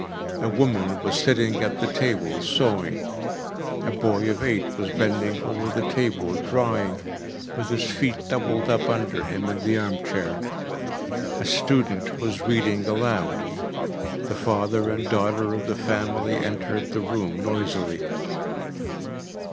A woman was sitting at the table sewing. A boy of eight was bending over the table, drawing, with his feet doubled up under him in the armchair. A student was reading aloud. The father and daughter of the family entered the room noisily.